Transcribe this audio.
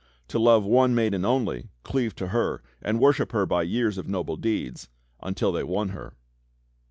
To love one maiden only, cleave to her. And worship her by years of noble deeds. Until they won her."